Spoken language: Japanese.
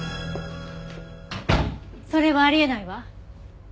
それはあり得ないわ。